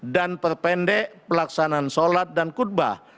dan perpendek pelaksanaan sholat dan khutbah